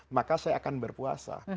maka saya akan berpuasa